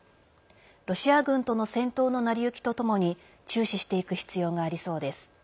ロシア軍との戦闘の成り行きとともに注視していく必要がありそうです。